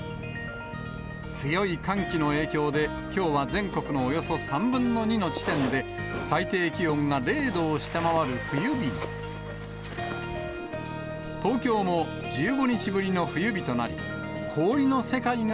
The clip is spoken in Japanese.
強い寒気の影響で、きょうは全国のおよそ３分の２の地点で最低気温が０度を下回る冬時刻はきょうの午前０時。